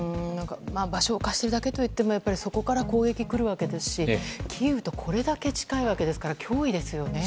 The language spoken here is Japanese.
場所を貸しているだけといってもそこから攻撃が来るわけですしキーウとこれだけ近いわけなので脅威ですよね。